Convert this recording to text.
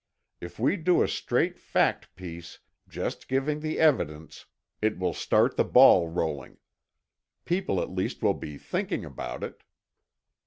if we do a straight fact piece, just giving the evidence, it will start the ball rolling. People at least will be thinking about it."